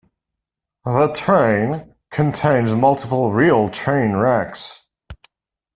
"The Train" contains multiple real train wrecks.